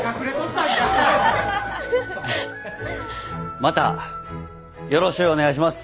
またよろしゅうお願いします。